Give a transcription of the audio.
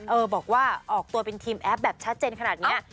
บอกว่าออกตัวเป็นทีมแอปแบบชัดเจนขนาดนี้